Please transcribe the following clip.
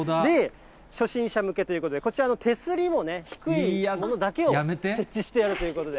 初心者向けということで、こちらの手すりもね、低いものだけを設置しているということで。